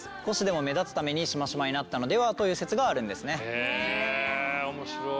へえ面白。